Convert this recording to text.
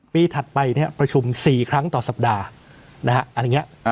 ปีถัดไปเนี้ยประชุมสี่ครั้งต่อสัปดาห์นะฮะอันนี้อ่า